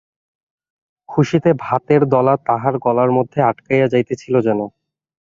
খুশিতে ভাতের দলা তাহার গলার মধ্যে আটকাইয়া যাইতেছিল যেন।